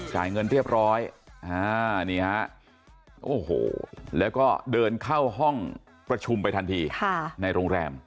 จ่ายเงินเรียบร้อยนี่ฮะโอ้โหแล้วก็เดินเข้าห้องประชุมไปทันทีในโรงแรม